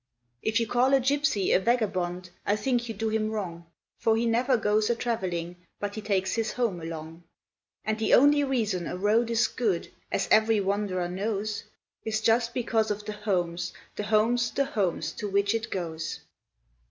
If you call a gypsy a vagabond, I think you do him wrong, For he never goes a travelling but he takes his home along. And the only reason a road is good, as every wanderer knows, Is just because of the homes, the homes, the homes to which it goes.